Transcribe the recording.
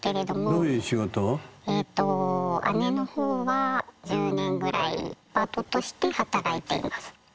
えと姉の方は１０年ぐらいパートとして働いています。